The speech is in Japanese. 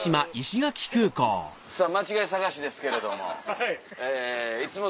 さぁ間違い探しですけれども。